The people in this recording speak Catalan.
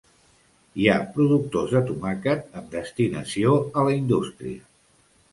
Hi ha productors de tomàquet amb destinació a la indústria.